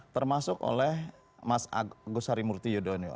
termasuk oleh mas agus harimurti yudhoyono